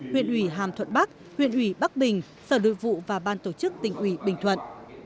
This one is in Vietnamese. huyện ủy hàm thuận bắc huyện ủy bắc bình sở nội vụ và ban tổ chức tỉnh ủy bình thuận